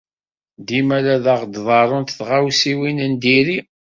Dima la aɣ-ḍerrunt tɣawsiwin n diri.